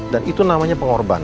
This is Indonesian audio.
dan itu namanya pengorbanan no